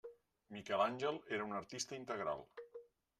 Miquel Àngel era un artista integral.